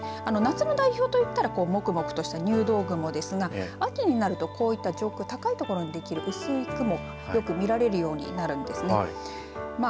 夏の代表と言ったらもくもくとした入道雲ですが秋になるとこういった上空、高いところに見られる薄い雲が、よく見られるようになるんですね。